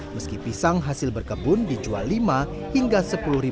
meski pisang hasil berkebun dijual lima hingga sepuluh ribu rupiah persis